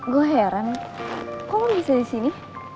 gue heran kok lo bisa disini